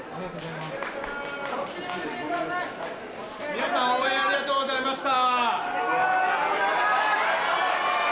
皆さん応援ありがとうございました。